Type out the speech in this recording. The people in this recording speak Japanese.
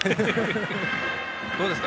どうですか？